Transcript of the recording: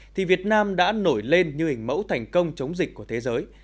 thì việt nam đã nổi lên như hình mẫu thành công chống dịch của thế giới